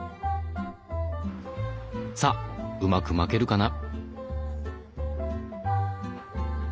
さあうまく巻けるかな？